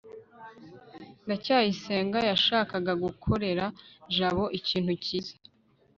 ndacyayisenga yashakaga gukorera jabo ikintu cyiza